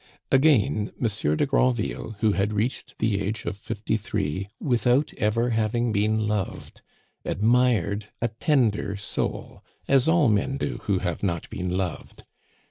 Again, Monsieur de Granville, who had reached the age of fifty three without ever having been loved, admired a tender soul, as all men do who have not been loved.